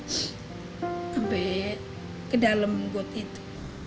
sampai ke dalam got itu